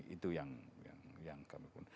itu yang kami punya